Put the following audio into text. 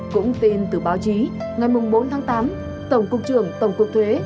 cũng tin từ báo chí ngày bốn tháng tám tổng cục trưởng tổng cục thuế